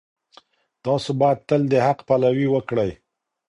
تاسو باید تل د حق پلوي وکړئ.